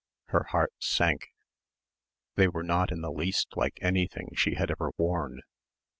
Her heart sank. They were not in the least like anything she had ever worn.